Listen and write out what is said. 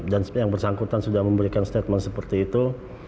dan yang bersangkutan sudah memberikan statement seperti itu